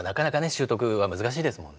習得は難しいですもんね。